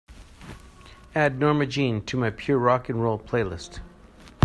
Add Norma Jean to my pure rock & roll playlist.